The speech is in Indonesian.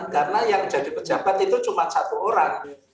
karena yang jadi pejabat itu cuma satu orang